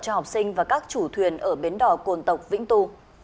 cho học sinh và các chủ thuyền ở bến đỏ cồn tộc vĩnh tu